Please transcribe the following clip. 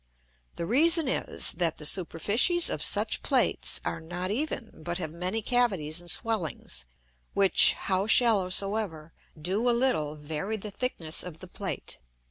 The reason is, that the Superficies of such Plates are not even, but have many Cavities and Swellings, which, how shallow soever, do a little vary the thickness of the Plate.